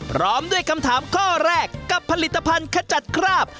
พร้อมด้วยคำถามข้อแรกกับผลิตภัณฑ์ขจัดคราบ